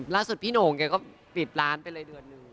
ล่าสุดพี่โหน่งแกก็ปิดร้านไปเลยเดือนหนึ่ง